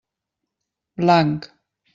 Blanc.